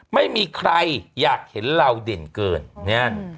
ไม่มีใครอยากเห็นเราเด่นเกินเนี่ย